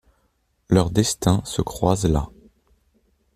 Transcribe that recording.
Leurs destins se croisent là.